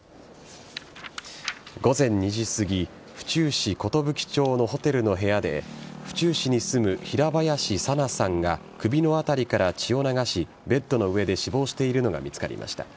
午前２時すぎ府中市寿町のホテルの部屋で府中市に住む平林さなさんが首の辺りから血を流しベッドの上で死亡しているのが見つかりました。